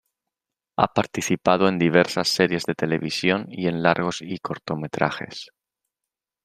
Ha participado en diversas series de televisión y en largos y cortometrajes.